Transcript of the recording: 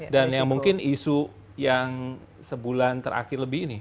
dan yang mungkin isu yang sebulan terakhir lebih ini